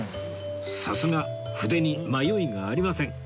さすが筆に迷いがありません